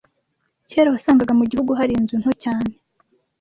Kera, wasangaga mu gihugu hari inzu nto cyane.